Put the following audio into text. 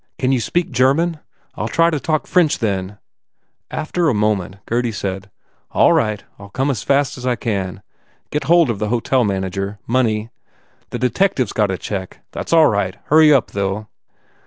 Can you speak German? ... I ll try to talk French, then." After a moment Gurdy said, "All right. I ll come as fast as I can. Get hold of the hotel man ager. Money " "The detective s got a check. That s all right. Hurry up, though."